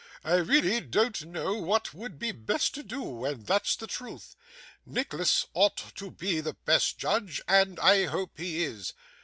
I really don't know what would be best to do, and that's the truth. Nicholas ought to be the best judge, and I hope he is.